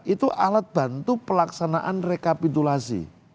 itu alat bantu pelaksanaan rekapitulasi